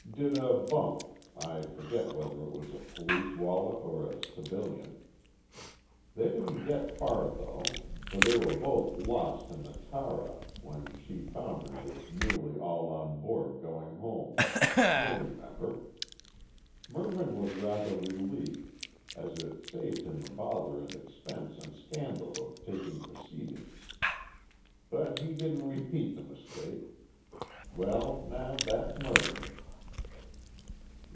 Did a bunk I forget whether it was a Police wallah or a civilian. They didn't get far though, for they were both lost in the Tara, when she foundered with nearly all on board going home, you'll remember. Mervyn was rather relieved, as it saved him the bother and expense and scandal of taking proceedings. But he didn't repeat the mistake. Well, now that's Mervyn."